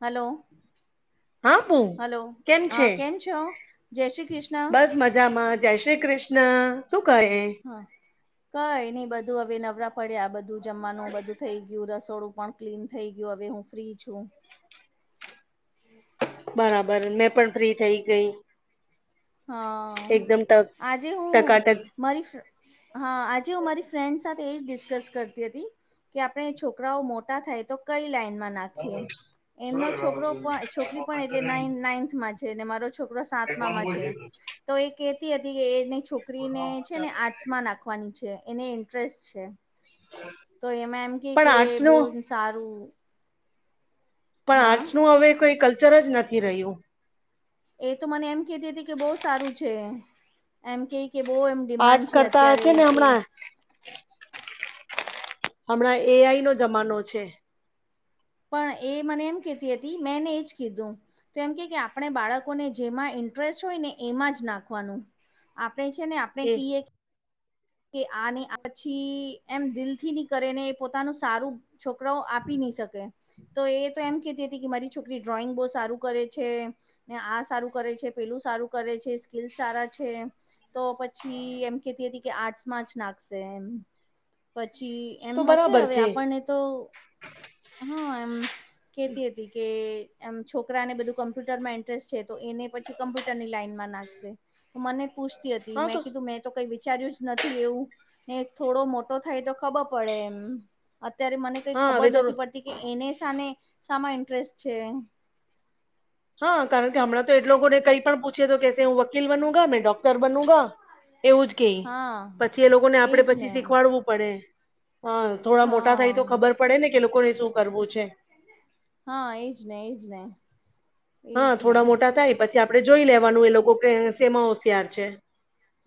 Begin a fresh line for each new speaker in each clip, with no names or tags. Hello.
હ [unintelligible] હા બો
હલો
કેમ છે
હા કેમ છો જય શ્રી કૃષ્ણ
બસ મજામાં જય શ્રી કૃષ્ણ. ના શું કહે.
હા કઈ નઈ બધું હવે નવરા પડ્યા બધું જમવાનું બધું થઈ ગયું રસોડું પણ ક્લીન થઈ ગયું હવે હું ફ્રી છું.
બરાબર મેં પણ ફ્રી થઇ ગઈ.
હા
એકદમ ટક
આજે હું
ટકાટક
મારી. હા આજે હું મારી ફ્રેન્ડ સાથે એ જ ડિસ્કસ કરતી હતી. કે આપણે છોકરાઓ મોટા થાય તો કઈ લાઈનમાં નાખ. એમનો છોકરો પણ છોકરી પણ એટલે નાઇન નાઇથ માં છે ને મારો. છોકરો સાતમા માં છે તો એ કેતી હતી કે એ છોકરીને ને છે આટૅસ. નાખવાની છે એને ઇન્ટરેસ્ટ છે.
હ [unintelligible]
તો એમાં એમ કે કે બોન સારું.
પણ
હા
આર્ટસ નું હવે કોઈ કલ્ચર જ નથી રહ્યું.
એ તો મને એમ કેતી હતી કે બહુ સારું છે એમ કે કે બહુ એમ. ડિમાન્ડ
આર્ટસ
છે
કરતા છે
અત્યારે
ને
કે
હમણાં. હમણાં એ આઈ નો જમાનો છે.
પણ એ મને એમ કહેતી હતી મેંને એજ કીધું. તો એમ કે કે આપણે બાળકોને જેમાં ઇન્ટરેસ્ટ હોય ને એમાં જ નાખવાનું. આપણે છે ને આપણે
એ
કિયે. કે આની આ છી એમ દિલ થી ની કરે ને પોતાનું સારું. છોકરાઓ આપી નહી શકે. તો એ તો એમ કેતી હતી કે મારી છોકરી ડ્રોઈંગ બહુ સારું કરે છે. ને આ સારું કરે છે પેલું સારું કરે છે સ્કીલ સારા છે. તો પછી એમ કેતી હતી. કે આર્ટસમાં જ નાખશે એમ પછી એમ
તો
હશે
બરાબર
હવે
છે
આપણને. તો હા એમ કેતી હતી. કે આમ છોકરાને બધું કમ્પ્યુટર માં ઇન્ટરેસ્ટ છે તો એને પછી કમ્પ્યુટરની લાઈનમાં નાખશે. મને પૂછતી હતી મેં કીધું મેં તો કઈ વિચાર્યું. નથી એવું ને થોડો મોટો થાય તો ખબર પડે એમ. અત્યારે મને કઈ
હા
ખબર
હવે તો
નથી પડતી કે એને શા ને શામાં ઇન્ટરેસ્ટ છે.
હા કારણ કે હમણાં તો એટ લોકો ને કઈ પણ પૂછે તો કે હું વકીલ બનુગા મે. ડોક્ટર બનુગા એવું જ કે
હા
પછી એ લોકોને આપડે
એજ ને
પછી શીખવાડવું. પડે હ થોડા મોટા થાય
હા
તો ખબર પડે ને કે લોકોને શું કરવું છે.
હા, એજ ને એજ ને.
હા,
એજ ને
થોડા મોટા થાય પછી આપડે જોઈ લેવાનું એ લોકો સેમા હોશિયાર છે.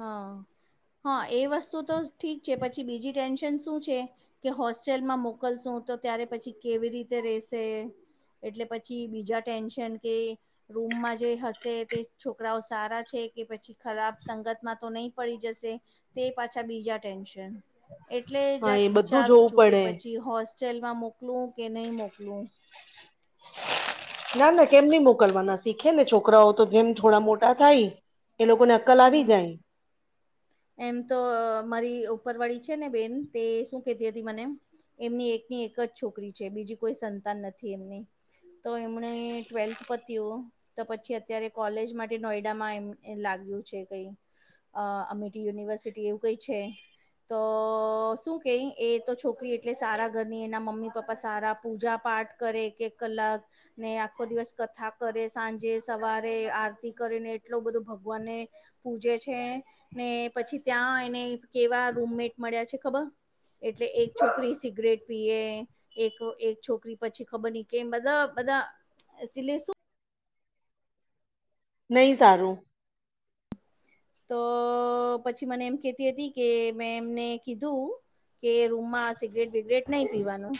હા હા એ વસ્તુ તો ઠીક છે પછી બીજી ટેન્શન શું છે કે હોસ્ટેલમાં મોકલશું તો ત્યારે પછી કેવી રીતે રશે. એટલે પછી બીજા ટેન્શન કે. રૂમમાં જે હશે તે છોકરાઓ સારા છે કે પછી ખરાબ સંગત. તો નહી પડી જશે તે પાછા બીજા ટેન્શન. એટલે
હા
જક
એ બધું
વિચારું
જોવું
છું કે
પડે
પછી હોસ્ટેલમાં મોકલું કે નહીં મોકલું.
ના ના કેમ નહીં મોકલવાના શીખે ને છોકરાઓ તો જેમ થોડા મોટા થાય એ લોકોને કલ આવી
હમ
જાય.
એમ તો અહ મારી ઉપર વાળી છે ને બેન તે શું કેતી હતી મને એમની એકની એક જ છોકરી છે બીજી કોઈ સંતાન નથી એમની. તો એમણે ટ્વેલ્થ પતીયું તો પછી અત્યારે કોલેજ માટે નોઈડામાં એમ લાગ્યું છે કઈ અહ અમે ટી યુનિવર્સિટી એવું કઈ છે. તો શું કઈ એ તો છોકરી એટલે સારા ઘરની એના મમ્મી પપ્પા સારા પૂજા પાઠ કરે કે કલાક ને આખો દિવસ કથા કરે સાંજે સવારે આરતી કરે ને એટલો બધો ભગવાનને પૂજે છે ને પછી ત્યાં એને કેવા રૂમમેટ મળ્યા છે ખબર એટલે એક છોકરી સિગરેટ પીએ એક એક છોકરી પછી ખબર નઈ કે બધા બધા સિલે શું
નહી સારું.
તો પછી મને એમ કેતી હતી કે મેં એમને કીધું કે રૂમમાં સિગરેટ બિગરેટ નહી પીવાનું.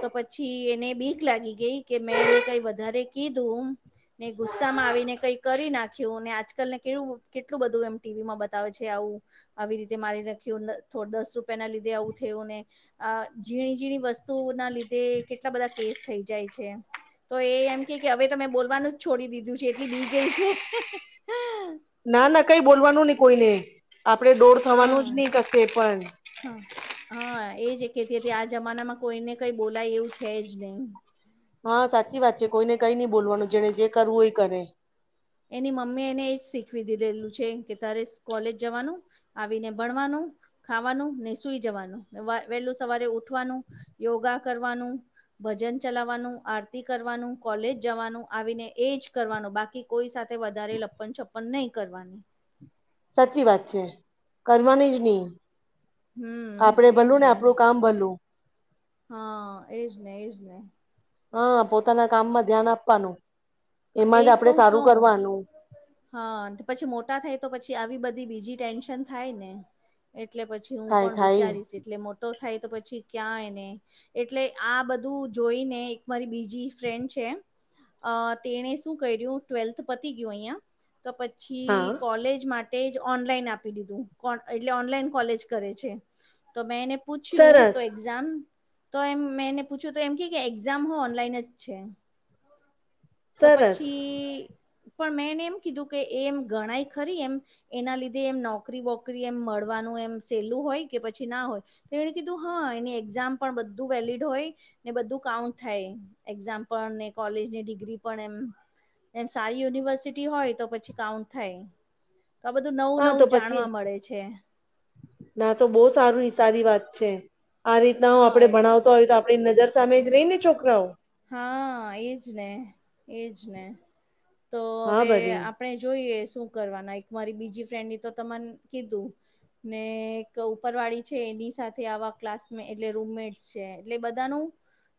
તો પછી એને બીક લાગી ગઈ કે મેં એને કઈ વધારે કીધુંમ ને ગુસ્સા માં આવીને કઈ કરી નાખ્યું અને આજકાલ ને કેવું કેટ લું બધું એમ ટી વી માં બતાવે છે આવું આવી રીતે મારી નાખ્યું થો દસ રૂપિયા ના લીધે આવું થયું ને અહ ઝીણી ઝીણી વસ્તુઓ ના લીધે કેટલા બધા કેસ થઈ જાય છે. તો એ એમ કે કે હવે તો મેં બોલવાનું જ છોડી દીધું છે એટલી બી ગઈ છે.
ના ના કઈ બોલવાનું નહી કોઈને આપડે ડોર થવાનું જ
હા
નહી કશે પણ.
હા હા એ જ કેતી હતી આ જમાનામાં કોઈને કઈ બોલાય એવું છે જ નહી.
હા, સાચી વાત છે કોઈને કઈ નઈ બોલવાનું જેને જે કરવું ઈ કરે.
એની મમ્મી એને એજ શીખવી દીધેલું છે કે તારે કોલેજ જવાનું આવીને ભણવાનું ખાવાનું ને સુઈ જવાનું ને વહેલું સવારે ઉઠવાનું યોગા કરવાનું ભજન ચલાવવાનું, આરતી કરવાનું, કોલેજ જવાનું, આવીને એજ કરવાનું બાકી કોઈ સાથે વધારે લપ્પન છપ્પન નહીં કરવાની.
સાચી વાત છે. કરવાની જ નહી. આપડે
હમ એજ
ભલું ને આપડું કામ ભલું.
હા, એજ ને એજ ને.
હા, પોતાના કામમાં ધ્યાન આપવાનું એમાં
એજ
જ
તો
આપડે
હું
સારું
કહું
કરવાનું.
હા, પછી મોટા થાય તો પછી આવી બધી બીજી ટેન્શન થાય ને એટલે પ છી હું
થાય
પણ
થાય.
વિચારીશ એટલે મોટો થાય તો પછી ક્યાં એને એટલે આ બધું જોઈને એક મારી બીજી ફ્રેન્ડ છે અહ તેણે શું કર્યું ટ્વેલ્થ પતી ગયું અહિયાં તો પછી
હા
કોલેજ મા તેજ ઓનલાઈન આપી દીધું કો એટલે ઓનલાઈન કોલેજ કરે છે. તો મેં એને પૂછ્યું તો
સરસ
એક્ઝામ તો એમ મેને પૂછ્યું તો એમ કે કે એક્ઝામ હો ઓનલાઈન જ છે. તો
સરસ
પછી પણ મેંને એમ કીધું કે એમ ગણાય ખરી એમ એના લીધે એમ નોકરી વોકરી એમ મળવાનું એમ સહેલું હોય કે પછી ના હોય. તો એણે કીધું હા એની એક્ઝામ પણ બધું વેલીડ હોય. ને બધું કાઉન્ટ થાય એક્ઝામ પણ ને કોલેજની ડિગ્રી પણ એમ એમ સારી યુનિવર્સિટી હોય તો પછી કાઉન્ટ થાય. તો આ બધું નવું
હા તો
નવું
પછી
જાણવા મળે છે.
ના તો બહુ સારું સારું સદી વાત છે આ રીતના હ
હા
આપડે
એ
ભણાવ હોય તો આપણી નજર સામે જ રહી ને છોકરાઓ
હા એજ ને એજ ને તો
હા
હવે
ભરી
આપણે જોઈએ શું કરવાના એક મારી બીજી ફ્રેન્ડ ની તો તમાને કીધું ને એક ઉપરવાળી છે એની સાથે આવા ક્લાસ એટલે રૂમમેટ્સ છે એટલે બધાનું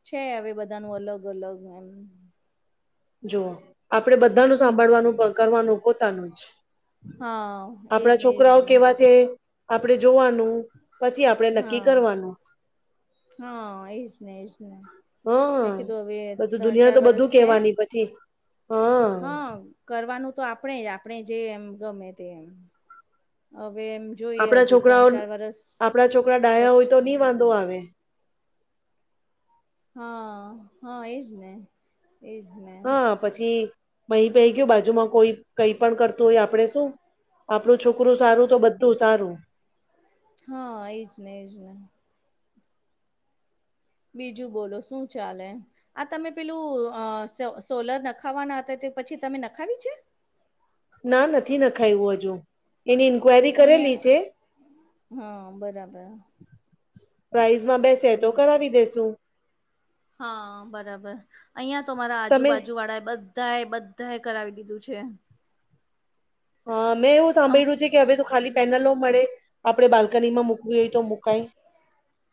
છે હવે બધાનું અલગ અલગ એમ
જોુઓ આપણે બધાનું
બી
સાંભળવાનું કરવાનું પોતાનું જ
હા એજ
આપણા
ને એજ
છોકરાઓ
ને
કેવા છે આપડણે જોવાનું પછી આપડણે નક્કી
હા
કરવાનું
હા એજ ને એજ ને મેં
હા.
કીધું હવે
બધું
ત્રણ
દુનિયા
ચાર
તો
વરષ
બધું
છે
કેવાની પછી
હા કરવાનું તો આપણે જ આપણે જે એમ ગમે તે એમ હવે એમ જોઈએ
આપડા
હજુ
છોકરાઓ
ત્રણ ચાર વરસ
આપડા છોકરા ડાયા
પછી
[unintelligible] આવે
હા હા એજ ને એજ ને
હા પછી મહી પઈ ગયું બાજુમાં કોઈ કઈ પણ કરતું હોય આપડણે શું આપણું છોકરું સારું તો બધું સારું
હા એજ ને એજ ને બીજું બોલો શું ચાલે આ તમે પેલું અ સો સોલર નખાવાના હતા તે પછી તમે નખાવી છે
ના નથી ના ખાયવુ હજુ એની ઇન્ક્વાયરી કરેલી
અહિયાં
છે
હા બરાબર
પ્રાાઈઝ માં બેસે તો કરાવી દેસુ
હા બરાબર અહિયાં તો મારા
તમે
આજુબાજુ વાળા બ બધા એ બધા એ કરાવી દીધું છે
હ મેં એવું
આમ
સાંભળ્યું છે કે હવે તો ખાલી પેનલો મળે આપડણે બાલ્કની માં મુૂકવી હોય તો મુકાય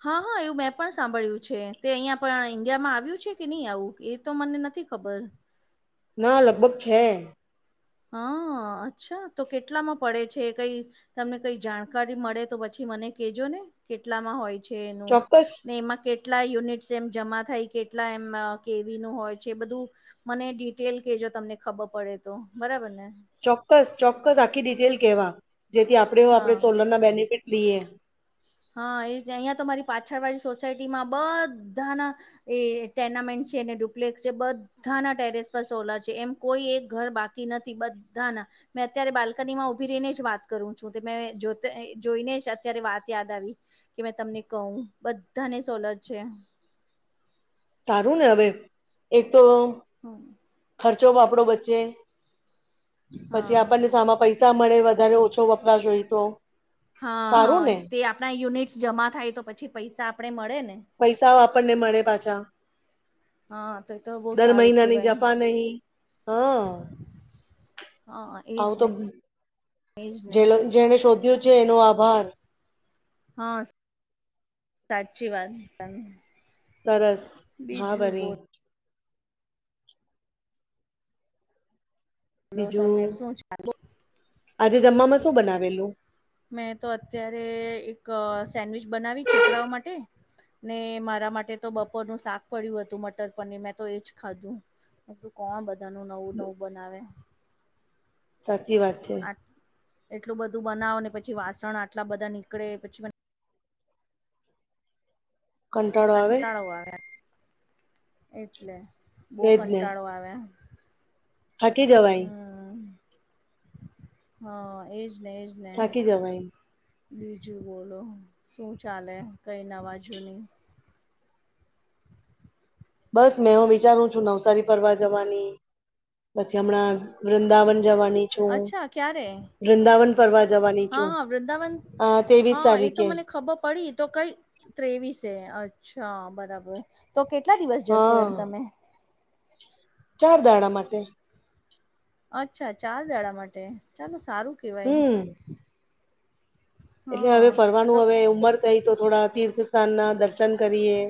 હા હા એવું મેં પણ સાંભળ્યું છે તે અહીયાં પણ ઈન્ડિયામાં આવ્યું છે કે નહી આવું એ તો મને નથી ખબર
ના લગભગ છે
હા અચ્છા તો કેટલામાં પડે છે એ કઈ તમને કઈ જાણકારી મળે તો પછી મને કેજો ને કેટલામાં હોય છેં એનું
ચોક્કસ
ને એમાં કે કેટલા યુનિટ્સ એમ જમા થાય કેટલા એમ કેવી નો હોય છે બધું મને ડિટેલ કેજો તમને ખબર પડે તો બરાબર ને
ચોક્કસ ચોક્કસ આખી ડિટેલ કેવા જેથી આપણેે
હા
આપણે સોલર ના બેનિફિટ લઈએ
હા એજ અહીંયા તો મારી પાછળ વાળી સોસાયટીમાં બધાના એ ટોર્નામેન્ટ છે ને ડુપ્લેક્સ છે બધ બધાના ટેરેસ પર સોલર છે એમ કોઈ એક ઘર બાકી નથી બધાના મેં અત્યારે બાલ્કની માં ઉભી રહીને જ વાત કરું છું મે જો તે જોઈને જ અત્યારે વાત યાદ આવી કે મે તમને કહું બધાને સોલર છે
સારું ને હવે એક તો
[inaudible]
ખર્ચો આપડો વચ્ચે પછી આપણને સામા પૈસા મળે વધારે ઓછો વપરાશઈ હોય તો
હા
સારું
હા
ને
તે આપણા યુનિટ્સ જમા થાય તો પછી પૈસા આપણે મળે ને
પૈસાઓ આપણને મળે પાછા
હા તો એ તો બહુ
દર
સારું
મહિનાની
કેવાય
જફા નહી હ.
હા એજ
આવું તો
ને એજ
જે
ને
જેણે શોધ્યું છે એનો આભાર.
હા સાચી વાત ત.
સરસ હા વરી
બોલો
બીજું
તમે શું ચાલે?
આજે જમવામાં શું બનાવેલું
મેં તો અત્યારે એક સેન્ડવીિચ બનાવી છોકરાઓ માટે ને મારા માટે તો બપોરનું શાક પડ્યું હતું મટર પનીર મેં તો એજ ખાધું કોણ બધા નુ નવું નવું બનાવે
સાચી વાત છે.
આ એટલું બધું બનાવ ને પછી વાસણ આટલા બધા નીકળે પછી. અને કંટાળો આવ્યા એટલે બહુ
એજ ને
કંટાળો આવ્યા.
થાકી જવાય.
હ એ જ ને એ જ ને.
થાકી જવાય
બીજું બોલો શું ચાલે કઈ નવા જૂની.
બસ મેં હું વિચારું છું નવસારી ફરવા જવાની. પછી હમણાં વૃંદાવન જવાની. છું હું
અચ્છા ક્યારે
વૃંદાવન ફરવા જવાની
હા
છું
હા વૃંદાવન
આ તેવીસ
હા એ તો
તારીખે.
મને ખબર પડી તો કઈ. ત્રેવીસે અચ્છા બરાબર તો કેટલા દિવસ જશો એમ
હા
તમે.
ચાર દાડા માટે.
અચ્છા ચાર દાડા માટે ચાલો સારું. કેવાય
હમ્મ. એટલે હવે
હા તો
ફરવાનું હવે ઉંમર થઈ તો થોડા તીર્થ સ્થાન ના દર્શન કરીએ.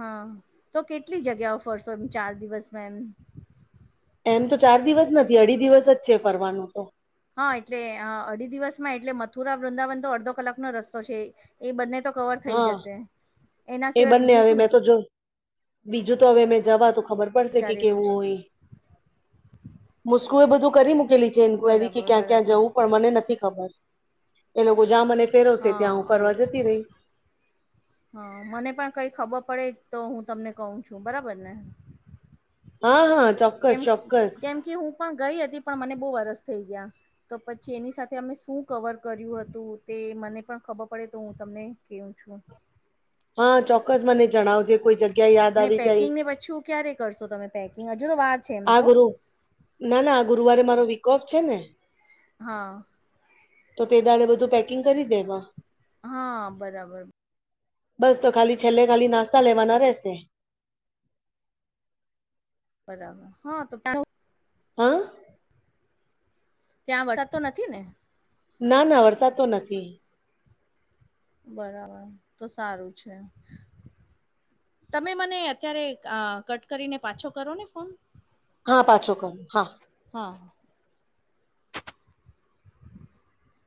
હા તો કેટલી જગ્યાઓ ફરશો એમ ચાર દિવસમાં એમ.
એમ તો ચાર દિવસ નથી અઢી દિવસ જ છે ફરવાનું તો.
હા એટલે અઢી દિવસમાં એટલે મથુરા વૃંદાવન તો અડધો કલાકનો રસ્તો છે. એ બંને તો કવર થઈ
હા
જશે એના
એ
સિવાય
બંને
બીજું
હવે
શું.
મેં તો જો બીજું તો હવે મેં જવા તો ખબર પડશે કે
વિચારેલું
કેવું
છે
હોય. મુસ્કુ એ બધું કરી મૂકેલી છે એન્ક્વાયરી કે
બરાબર
ક્યાં ક્યાં
બરાબર
જવું. પણ મને નથી ખબર એ લોકો જ્યાં મને. ફેરવશે
હા
ત્યાં હું ફરવા
આયો.
જતી રહીશ
હા મને પણ કઈ ખબર પડે તો હું તમને કહું છું બરાબર ને.
હા હા ચોક્કસ
કેમ
ચોક્કસ.
કેમ કે હું પણ ગઈ હતી પણ મને બહુ વરસ થઇ ગયા. તો પછી એની સાથે અમે શું કવર કર્યું હતું તે મને પણ ખબર પડે તો હું તમને કેવું છું.
હા ચોક્કસ મને જણાવજે. કોઈ જગ્યા યાદ
ને
આવી જાય
પેકિંગ ને પછી ક્યારે કરશો તમે પેકિંગ હજુ તો વાત છે એમ
આ
તો.
ગુરુ ના ના ગુરુવારે મારો વિક ઓફ છે ને.
હા.
તો તે દાડે બધું પેકિંગ કરી દેવા.
હા બરાબર.
બસ તો ખાલી છેલ્લે ખાલી નાસ્તા લેવાના રહેશે.
બરાબર હા તો.
હમ્મ.
ત્યાં વળ તો નથી ને.
ના ના વરસાદ તો નથી.
બરાબર તો સારું છે. તમે મને અત્યારે કટ કરીને પાછો કરો ને ફોન.
હા પાછો કરું હા.
હા [inaudible]